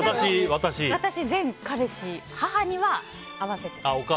私、全彼氏母には会わせてます。